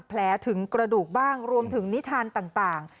แผลถึงกระดูกบ้างรวมถึงนิทานต่าง